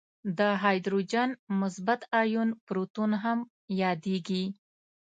د هایدروجن مثبت آیون پروتون هم یادیږي.